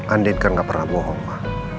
andin kan gak pernah bohong ma